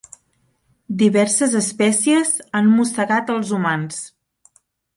Diverses espècies han mossegat els humans.